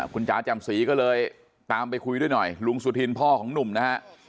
คุณจ๋าจำศรีก็เลยตามไปคุยด้วยหน่อยลุงสุธินพ่อของหนุ่มนะฮะ